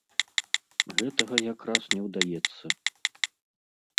Гэтага якраз не ўдаецца.